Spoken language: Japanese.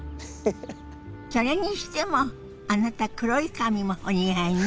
それにしてもあなた黒い髪もお似合いね。